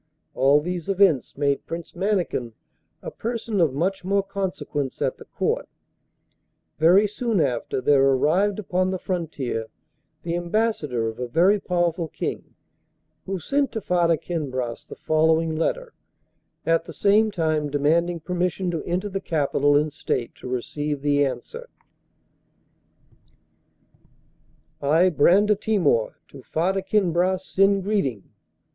All these events made Prince Mannikin a person of much more consequence at the Court. Very soon after, there arrived upon the frontier the Ambassador of a very powerful King, who sent to Farda Kinbras the following letter, at the same time demanding permission to enter the capital in state to receive the answer: 'I, Brandatimor, to Farda Kinbras send greeting.